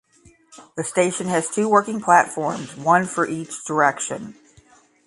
The station has two working platforms, one for each direction.